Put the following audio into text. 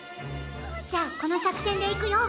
じゃあこのさくせんでいくよ！